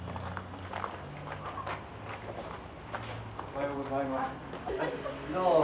おはようございます。